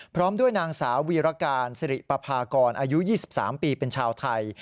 พร้อมด้วยนางสาววีรการสิริปภากรอายุ๒๓ปีเป็นชาวไทย